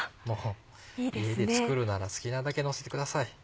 家で作るなら好きなだけのせてください。